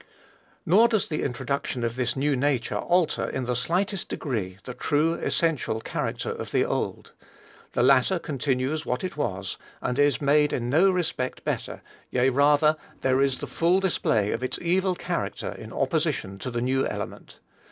Nor does the introduction of this new nature alter, in the slightest degree, the true, essential character of the old. This latter continues what it was, and is made in no respect better; yea, rather, there is the full display of its evil character in opposition to the new element.